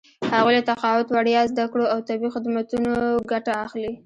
هغوی له تقاعد، وړیا زده کړو او طبي خدمتونو ګټه اخلي.